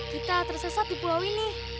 kita tersesat di pulau ini